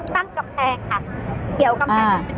ตั้งกำแพงค่ะเกี่ยวกำแพง